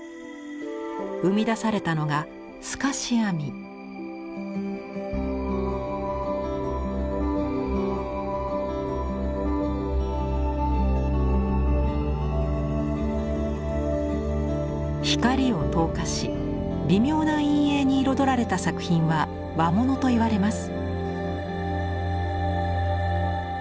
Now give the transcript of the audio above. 生み出されたのが光を透過し微妙な陰影に彩られた作品は「和物」といわれます。